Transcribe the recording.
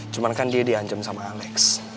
cuman kan dia dianjem sama alex